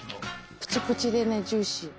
プチプチでねジューシー。